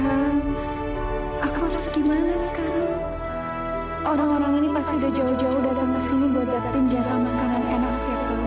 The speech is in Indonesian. hai aku harus gimana sekarang orang orang ini pasti jauh jauh datang ke sini buat dapetin jatah makanan enak